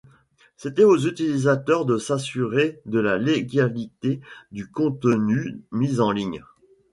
C’était aux utilisateurs de s’assurer de la légalité du contenu mis en ligne.